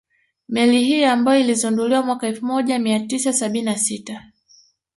Meli hiyo ambayo ilizinduliwa mwaka elfu moja mia tisa sabini na sita